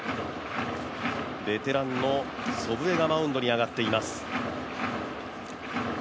ベテランの祖父江がマウンドに上がっています。